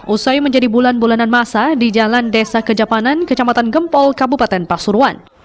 usai menjadi bulan bulanan masa di jalan desa kejapanan kecamatan gempol kabupaten pasuruan